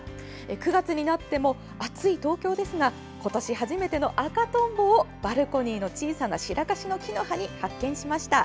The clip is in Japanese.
９月になっても暑い東京ですが今年初めての赤トンボをバルコニーの小さなシラカシの木の葉に発見しました。